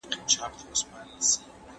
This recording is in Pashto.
د ښارونو کارګاه څنګه وه؟